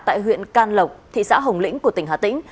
tại huyện can lộc thị xã hồng lĩnh của tỉnh hà tĩnh